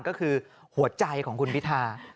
ก็คือหัวใจของคุณพิธา